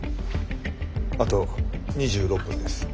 あと２６分です。